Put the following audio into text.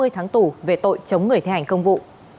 ba mươi tháng tủ về tội chống người thể hành công vụ